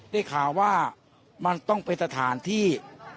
ได้ข่าวว่ามันต้องเป็นสถานที่